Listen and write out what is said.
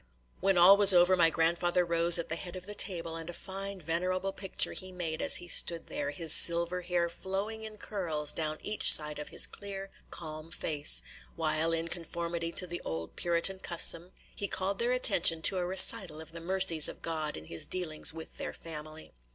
When all was over, my grandfather rose at the head of the table, and a fine venerable picture he made as he stood there, his silver hair flowing in curls down each side of his clear, calm face, while, in conformity to the old Puritan custom, he called their attention to a recital of the mercies of God in his dealings with their family.